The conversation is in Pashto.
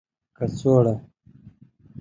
کڅوړه